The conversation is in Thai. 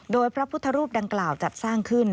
โดยพระพุทธรูปดังกล่าวจัดสร้างขึ้น